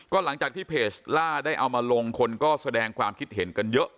หลังจากที่เพจล่าได้เอามาลงคนก็แสดงความคิดเห็นกันเยอะ